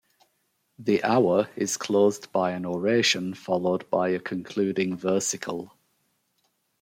The hour is closed by an oration followed by a concluding versicle.